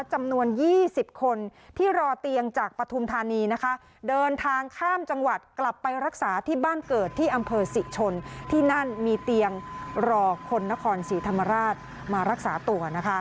จำนวน๒๐คนที่รอเตียงจากปฐุมธานีนะคะเดินทางข้ามจังหวัดกลับไปรักษาที่บ้านเกิดที่อำเภอศรีชนที่นั่นมีเตียงรอคนนครศรีธรรมราชมารักษาตัว